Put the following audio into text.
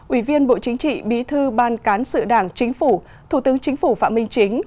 ủy viên bộ chính trị bí thư ban cán sự đảng chính phủ thủ tướng chính phủ phạm minh chính